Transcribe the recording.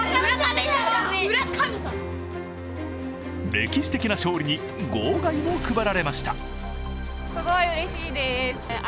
歴史的勝利に号外も配られました。